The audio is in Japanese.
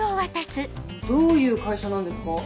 どういう会社なんですか？